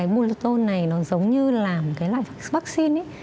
bluezone này giống như là loại vaccine